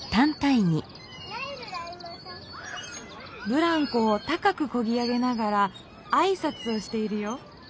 ぶらんこを高くこぎ上げながらあいさつをしているよ。